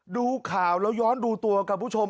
ดูข่าวแล้วย้อนดูตัวกับผู้ชม